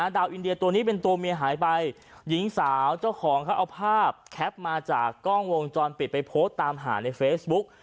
อินเดียตัวนี้เป็นตัวเมียหายไปหญิงสาวเจ้าของเขาเอาภาพแคปมาจากกล้องวงจรปิดไปโพสต์ตามหาในเฟซบุ๊ก